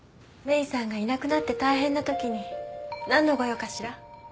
メイさんがいなくなって大変なときに何のご用かしら？